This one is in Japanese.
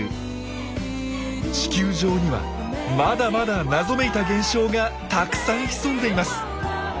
地球上にはまだまだ謎めいた現象がたくさん潜んでいます。